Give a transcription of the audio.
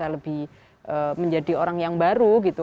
betul betul bisa lebih menjadi orang yang baru gitu